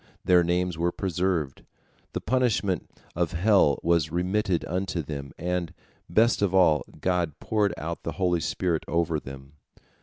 Their names were preserved, the punishment of hell was remitted unto them, and, best of all, God poured out the holy spirit over them.